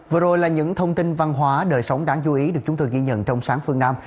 vừa rồi là những thông tin văn hóa đời sống đáng chú ý được chúng tôi ghi nhận trong sáng phương nam